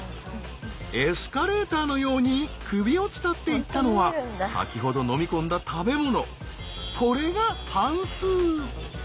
エスカレーターのように首を伝っていったのは先ほど飲み込んだ食べ物。